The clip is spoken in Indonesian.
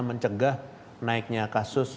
mencegah naiknya kasus